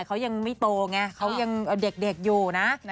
เขายังไม่โตไงเขายังเด็กอยู่นะ